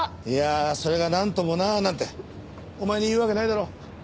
いやあそれがなんともななんてお前に言うわけないだろう。